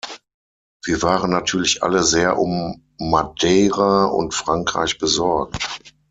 Wir waren natürlich alle sehr um Madeira und Frankreich besorgt.